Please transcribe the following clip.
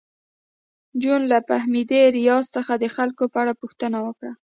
جون له فهمیدې ریاض څخه د خلکو په اړه پوښتنه وکړه